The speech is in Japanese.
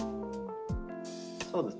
そうですね。